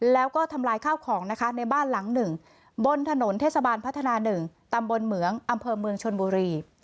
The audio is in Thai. แล้วก็ทำลายข้าวของนะคะในบ้านหลังหนึ่งบนถนนเทศบาลพัฒนา๑ตำบลเหมืองอำเภอเมืองชนบุรี